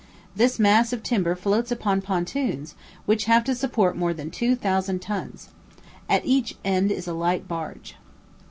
This mass of timber floats upon pontoons, which have to support more than two thousand tons. At each end is a light barge.